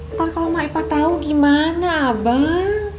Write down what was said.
ntar kalo ma ipah tau gimana bang